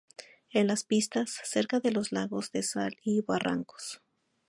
En las pistas, cerca de los lagos de sal y barrancos.